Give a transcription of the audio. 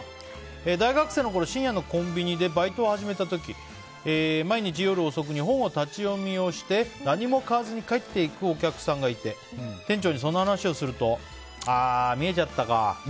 大学生のころ、深夜のコンビニでバイトを始めた時毎日、夜遅くに本を立ち読みして何も買わずに帰っていくお客さんがいて店長にその話をするとああ、見えちゃったか。